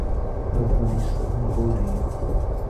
勒夫雷斯恩波雷。